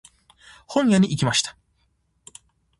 本屋に行きました。